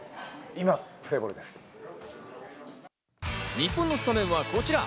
日本のスタメンはこちら。